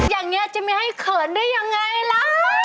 อย่างนี้จะไม่ให้เขินได้ยังไงล่ะ